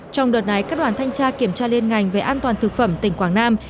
trong đợt này các đoàn thanh tra kiểm tra liên ngành về an toàn thực phẩm tỉnh quảng nam